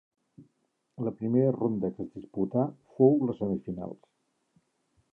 La primera ronda que es disputà fou les semifinals.